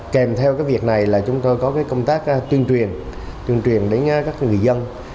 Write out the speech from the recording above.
kèm theo việc này là chúng tôi có công tác tuyên truyền tuyên truyền đến các người dân